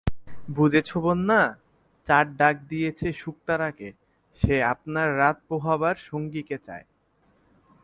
বুঝেছ বন্যা, চাঁদ ডাক দিয়েছে শুকতারাকে, সে আপনার রাত-পোহাবার সঙ্গিনীকে চায়।